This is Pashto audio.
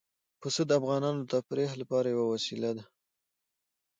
پسه د افغانانو د تفریح لپاره یوه وسیله ده.